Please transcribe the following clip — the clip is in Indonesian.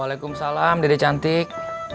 waalaikumsalam dede cantik